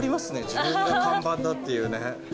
自分が看板だっていうね。